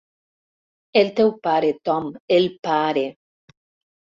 El teu pare, Tom, el pare.